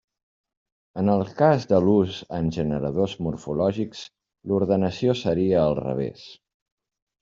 En el cas de l'ús en generadors morfològics l'ordenació seria al revés.